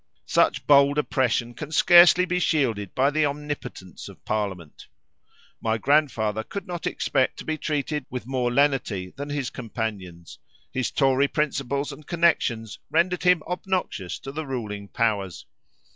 Such bold oppression can scarcely be shielded by the omnipotence of parliament. My grandfather could not expect to be treated with more lenity than his companions. His Tory principles and connexions rendered him obnoxious to the ruling powers.